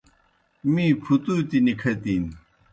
می پُھتُوتیْ نِکھتِن۔